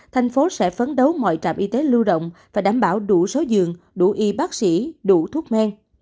thành phố sẽ phấn đấu mọi trạm y tế lưu động và đảm bảo đủ số giường đủ y bác sĩ đủ thuốc men